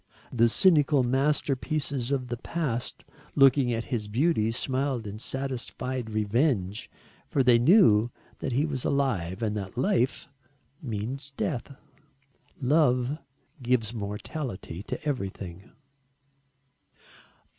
The cynical masterpieces of the past looking at his beauty smiled in satisfied revenge for they knew that he was alive and that life means death. Love gives mortality to everything.